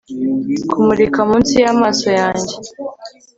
Kumurika munsi yamaso yanjye